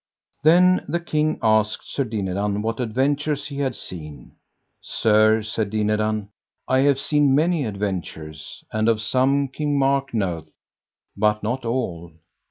Then the king asked Sir Dinadan what adventures he had seen. Sir, said Dinadan, I have seen many adventures, and of some King Mark knoweth, but not all.